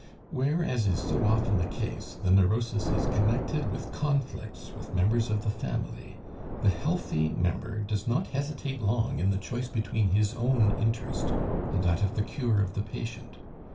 Where, as is so often the case, the neurosis is connected with conflicts with members of the family, the healthy member does not hesitate long in the choice between his own interest and that of the cure of the patient.